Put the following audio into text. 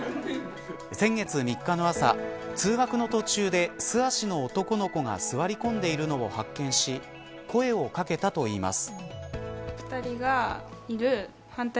先月３日の朝通学の途中で素足の男の子が座り込んでいるのを発見し声を掛けたといいます。